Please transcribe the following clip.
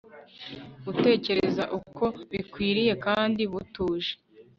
gutekereza uko bikwiriye kandi butuje